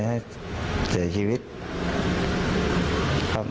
ให้เสียชีวิตครับ